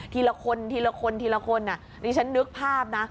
ทีละคนอ่ะนี่ฉันนึกภาพนะ